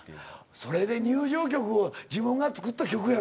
それで入場曲自分が作った曲やろ？